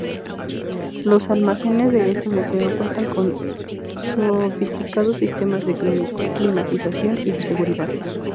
Los almacenes de este museo cuentan con sofisticados sistemas de climatización y de seguridad.